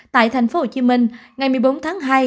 tại thành phố hồ chí minh ngày một mươi bốn tháng hai